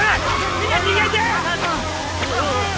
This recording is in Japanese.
みんな逃げて！